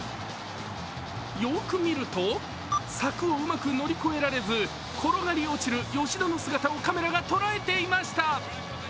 よく見ると、柵をうまく乗り越えられず転がり落ちる吉田の姿をカメラが捉えていました。